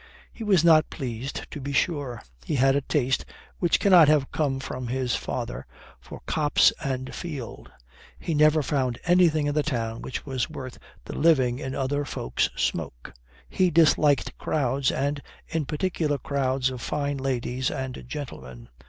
He was not pleased, to be sure. He had a taste, which cannot have come from his father, for copse and field. He never found anything in the town which was worth the living in other folk's smoke. He disliked crowds and in particular crowds of fine ladies and gentlemen.